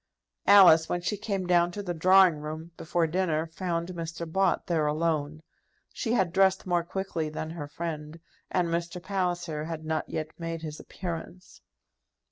Alice, when she came down to the drawing room, before dinner, found Mr. Bott there alone. She had dressed more quickly than her friend, and Mr. Palliser had not yet made his appearance.